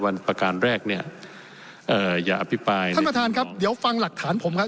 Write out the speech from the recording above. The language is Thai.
ประการแรกเนี่ยเอ่ออย่าอภิปรายท่านประธานครับเดี๋ยวฟังหลักฐานผมครับ